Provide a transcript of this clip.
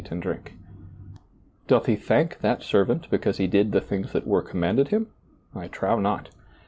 t and drink? "Doth he thank that servant because he did the things (hat were commanded him? I trow not.